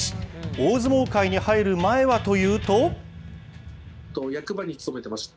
大相撲界に入る前はというと。